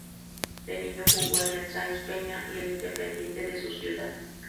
De niño jugó en el Sáenz Peña y el Independiente de su ciudad.